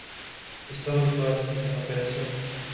Estado actual: en operación.